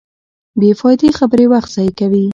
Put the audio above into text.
بېفائدې خبرې وخت ضایع کوي.